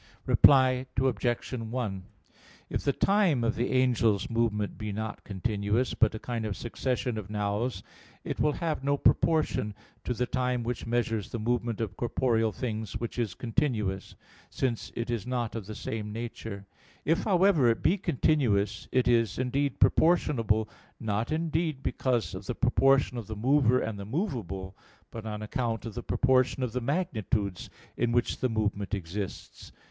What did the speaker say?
Reply Obj. 1: If the time of the angel's movement be not continuous, but a kind of succession of 'nows,' it will have no proportion to the time which measures the movement of corporeal things, which is continuous; since it is not of the same nature. If, however, it be continuous, it is indeed proportionable, not, indeed, because of the proportion of the mover and the movable, but on account of the proportion of the magnitudes in which the movement exists.